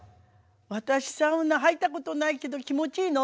私サウナ入ったことないけど気持ちいいの？